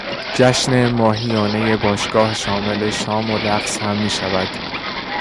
جشن ماهیانهی باشگاه شامل شام و رقص هم میشود.